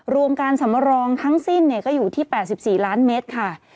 รวมการสำรองทั้งสิ้นก็อยู่ที่๘๔ล้านเมตรค่ะ